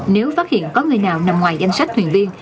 nếu phát hiện có người nào nằm ngoài danh sách thuyền viên